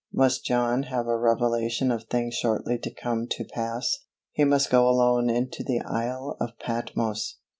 Must John have a revelation of things shortly to come to pass? He must go alone into the Isle of Patmos!